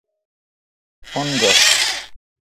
ان گا۔